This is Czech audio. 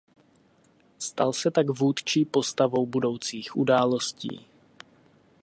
Stal se tak vůdčí postavou budoucích událostí.